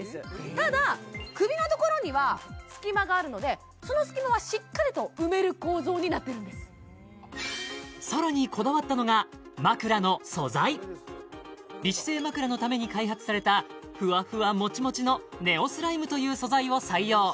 ただ首のところには隙間があるのでその隙間はしっかりと埋める構造になっているんですさらにこだわったのが枕の素材美姿勢まくらのために開発されたふわふわモチモチのネオスライムという素材を採用